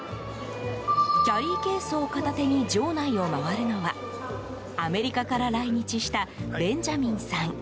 キャリーケースを片手に場内を回るのはアメリカから来日したベンジャミンさん。